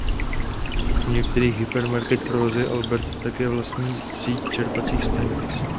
U některých Hypermarket provozuje Albert také vlastní síť čerpacích stanic.